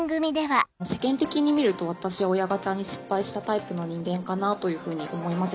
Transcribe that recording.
世間的に見ると私親ガチャに失敗したタイプの人間かなというふうに思います。